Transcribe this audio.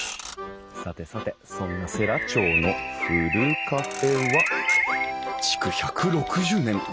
さてさてそんな世羅町のふるカフェは？